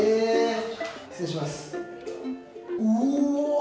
失礼します。